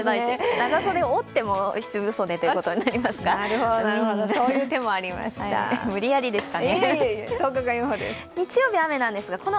長袖、折っても七分袖ということになりますか。